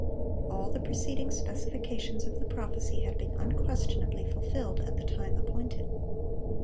All the preceding specifications of the prophecy had been unquestionably fulfilled at the time appointed.